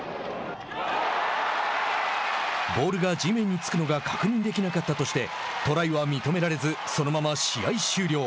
ボールが地面に着くのが確認できなかったとしてトライは認められずそのまま試合終了。